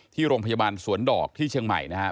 ที่โรงพยาบาลสวนดอกที่เชียงใหม่นะครับ